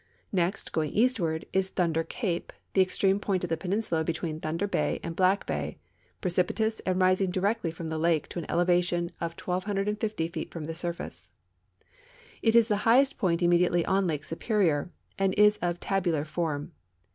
Next, going eastward, is Thunder cape, the extreme point of the peninsula between Thunder bay and Black hay, precipitous and rising directly from the lake to an elevation of 1,250 feet from its surface. It is the highest point immediately on Lake Superior, and is of tabular form.